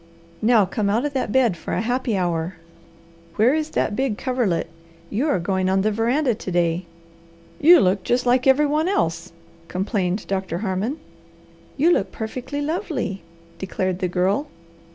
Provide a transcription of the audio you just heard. Now come out of that bed for a happy hour. Where is that big coverlet? You are going on the veranda to day." "You look just like every one else," complained Doctor Harmon. "You look perfectly lovely," declared the Girl.